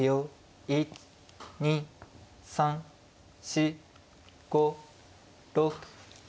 １２３４５６。